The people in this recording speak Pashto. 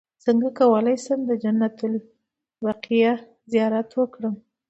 څنګه کولی شم د جنت البقیع زیارت وکړم